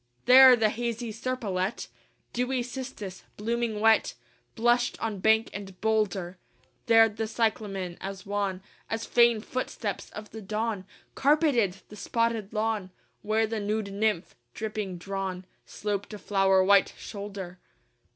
IV There the hazy serpolet, Dewy cistus, blooming wet, Blushed on bank and boulder: There the cyclamen, as wan As faint footsteps of the Dawn, Carpeted the spotted lawn: Where the nude nymph, dripping drawn, Sloped a flower white shoulder.